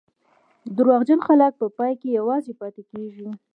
دروغجن خلک په پای کې یوازې پاتې کېږي.